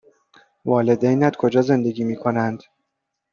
والدینت کجا زندگی می کنند؟